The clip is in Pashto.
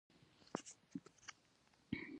افغانستان په معاصر تاریخ کې نومېږي.